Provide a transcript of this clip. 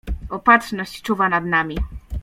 "Opatrzność czuwa nad nami."